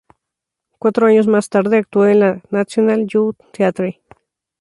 Cuatro años más tarde actuó con la National Youth Theatre.